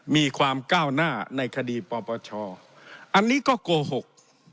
มีความก้าวหน้าในคดีปปชอันนี้ก็โกหก